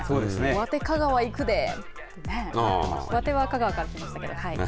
わて香川行くでわて香川から来ましたけど。